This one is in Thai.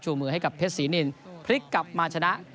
มือให้กับเพชรศรีนินพลิกกลับมาชนะ